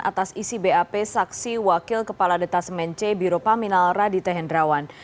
atas isi bap saksi wakil kepala detasmen c biro paminal radite hendrawan